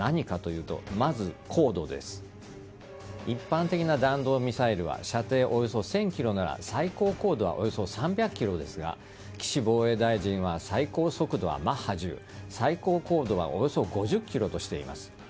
一般的な弾道ミサイルは射程およそ１０００ｋｍなら最高高度はおよそ３００ｋｍですが岸防衛大臣は最高速度はマッハ１０最高高度はおよそ５０ｋｍとしています。